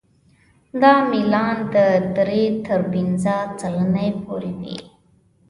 دا میلان د درې تر پنځه سلنې پورې وي